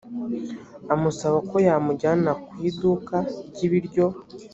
amusaba ko yamujyana ku iduka ry’ ibiryo.